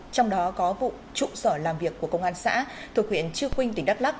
trong đó có vụ trụ sở làm việc của công an xã thuộc huyện chư quynh tỉnh đắk lắc